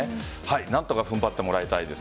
何とか踏ん張ってもらいたいです。